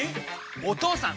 お義父さん！